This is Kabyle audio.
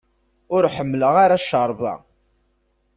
Ur ḥemmleɣ ara ccerba.